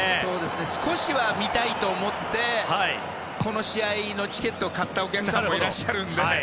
少しは見たいと思ってこの試合のチケットを買ったお客さんもいらっしゃるので。